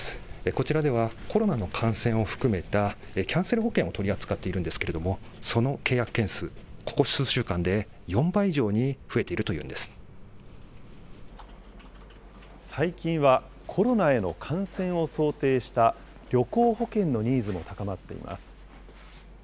こちらでは、コロナの感染を含めたキャンセル保険を取り扱っているんですけれども、その契約件数、ここ数週間で４倍以上に増えているというん最近はコロナへの感染を想定した、旅行保険のニーズも高まっています。